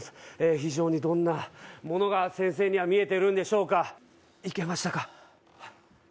非常にどんなものが先生には見えてるんでしょうかいけましたか？